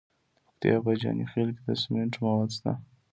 د پکتیا په جاني خیل کې د سمنټو مواد شته.